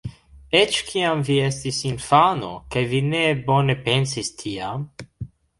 Eĉ kiam vi estis infano, kaj vi ne bone pensis tiam.